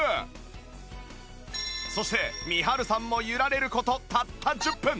そしてみはるさんも揺られる事たった１０分